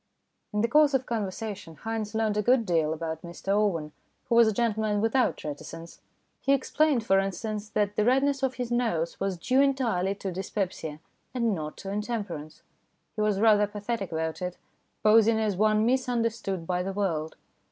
In the course of conversation Haynes learned a good deal about Mr Owen, who was a gentleman without reticence. He explained, for instance, that the redness of his nose was due entirely to dyspepsia, and not to intemperance. He was rather pathetic about it, posing as one misunder stood by the world.